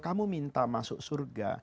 kamu minta masuk surga